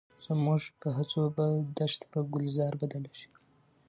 زموږ په هڅو به دښته په ګلزار بدله شي.